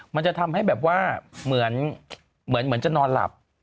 มันจะทำให้แบบว่าเหมือนจะนอนหลับ